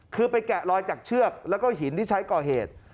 คือไปแกะลอยจากเชือกแล้วก็หินที่ใช้ก่อเหตุ